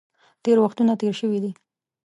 تېرې وختونه تېر شوي دي.